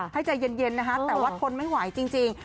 ให้ใจเย็นนะคะแต่ว่าทนไม่ไหวจริง